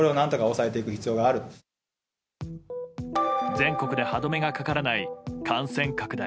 全国で歯止めがかからない感染拡大。